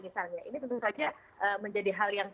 misalnya ini tentu saja menjadi hal yang